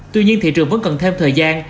tuy nhiên thị trường vẫn cần thêm thời gian